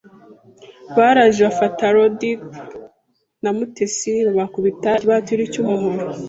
Baraje bafata Rodrigue na Mutesi babakubita ikibatiri cyumuhoro